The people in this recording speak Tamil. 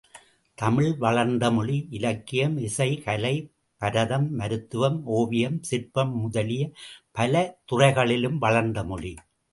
தமிழ், வளர்ந்தமொழி, இலக்கியம், இசை, கலை, பரதம், மருத்துவம், ஒவியம், சிற்பம் முதலிய பல துறைகளிலும் வளர்ந்த மொழி.